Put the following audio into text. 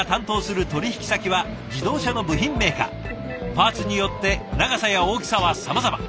パーツによって長さや大きさはさまざま。